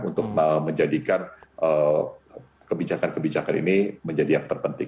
untuk menjadikan kebijakan kebijakan ini menjadi yang terpenting